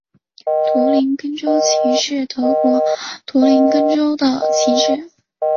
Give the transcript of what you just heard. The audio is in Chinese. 图林根州旗是德国图林根州的旗帜。